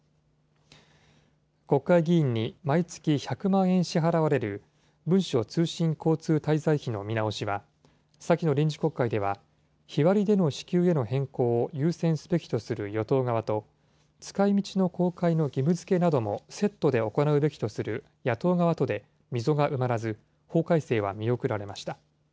国会議員に毎月１００万円支払われる、文書通信交通滞在費の見直しは、先の臨時国会では日割りでの支給への変更を優先すべきとする与党側と、使いみちの公開の義務づけなどもセットで行うべきとする野党側とで溝が埋まらず、法改正は見送られました。